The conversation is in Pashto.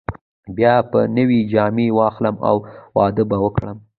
بیا به نوې جامې واخلم او واده به وکړم.